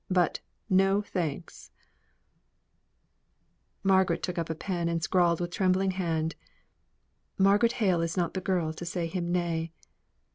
But no thanks." Margaret took up a pen and scrawled with trembling hand, "Margaret Hale is not the girl to say him nay."